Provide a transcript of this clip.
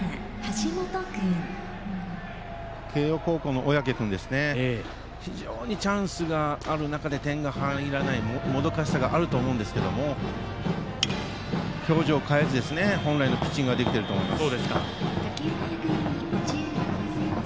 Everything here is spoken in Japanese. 慶応高校の小宅君ですが非常にチャンスがある中で点が入らないもどかしさがあると思うんですけれども表情変えず本来のピッチングができていると思います。